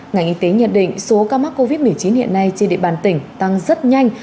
ngành y tế nhận định số ca mắc covid một mươi chín hiện nay trên địa bàn tỉnh tăng rất nhanh